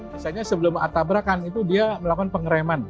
misalnya sebelum ada tabrakan dia melakukan pengereman